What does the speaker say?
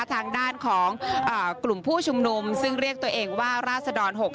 ทางด้านของกลุ่มผู้ชุมนุมซึ่งเรียกตัวเองว่าราศดร๖๓